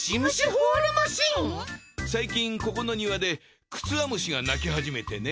最近ここの庭でクツワムシが鳴きはじめてね。